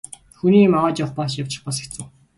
Хүний юм аваад явчих бас хэцүү.